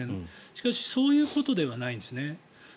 しかしそういうことではないんですね。